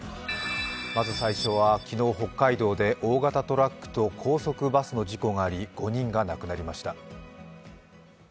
まず最初は昨日、北海道で大型トラックと高速バスの事故があり、５人が亡くなりました。